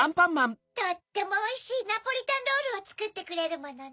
とってもおいしいナポリタンロールをつくってくれるものね。